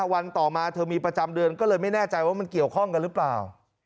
วันต่อมาเธอมีประจำเดือนก็เลยไม่แน่ใจว่ามันเกี่ยวข้องกันหรือเปล่า